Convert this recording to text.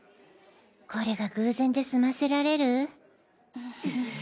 これが偶然ですませられる？